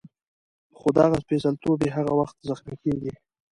خو دغه سپېڅلتوب یې هغه وخت زخمي کېږي.